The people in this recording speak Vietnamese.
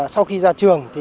sau khi ra trường